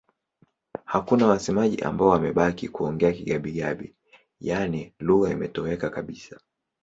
Hakuna wasemaji ambao wamebaki kuongea Kigabi-Gabi, yaani lugha imetoweka kabisa.